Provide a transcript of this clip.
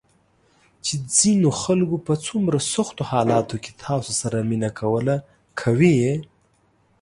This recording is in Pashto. چې ځینو خلکو په څومره سختو حالاتو کې تاسو سره مینه کوله، کوي یې ~